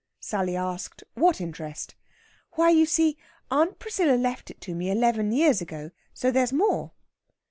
Sally asked what interest. "Why, you see, Aunt Priscilla left it to me eleven years ago, so there's more."